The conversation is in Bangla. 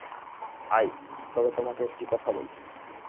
আইস, তবে তোমাকে একটি কথা বলি।